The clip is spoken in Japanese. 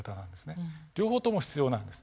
両方とも必要なんです。